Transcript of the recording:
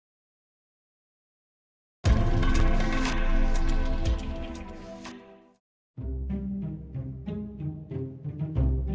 penyelenggaraan di desa panguragan mencari penyelenggaraan yang lebih besar